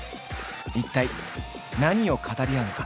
一体何を語り合うのか？